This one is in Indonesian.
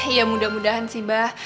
iya mudah mudahan sih mbah